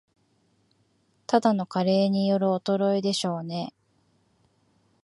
ただの加齢による衰えでしょうね